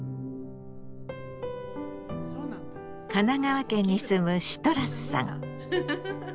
神奈川県に住むシトラスさん。